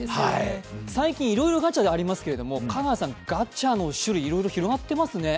最近いろいろガチャありますけれども、香川さん、ガチャの種類、広がってますね。